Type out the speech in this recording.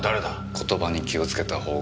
言葉に気をつけたほうが。